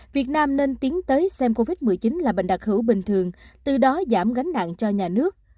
việt nam nên tiến tới xem covid một mươi chín là bệnh đặc hữu bình thường từ đó giảm gánh nặng cho nhà nước